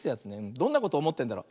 どんなことおもってんだろう。